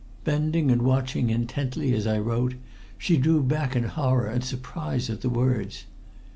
Bending and watching intently as I wrote, she drew back in horror and surprise at the words.